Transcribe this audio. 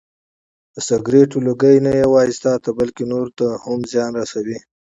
د سګرټو لوګی نه یوازې تاته بلکې نورو ته هم زیان رسوي.